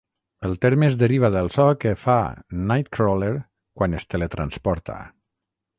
El terme es deriva del so que fa Nightcrawler quan es tele-transporta.